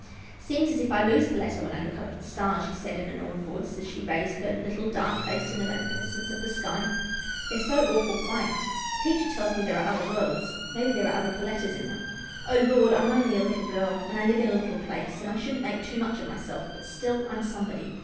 " Seems as if I lose Perletta when I look up at the stars," she said, in an awed voice, as she raised her little, dark face to the magnificence of the sky. " They're so awful quiet. Teacher tells me there are other worlds. Maybe there are other Perlettas in them — Oh Lord! I'm only a little girl, and I live in a little place, and I shouldn't make too much of myself, but still I'm somebody.